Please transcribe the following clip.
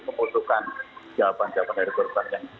membutuhkan jawaban jawaban dari korban yang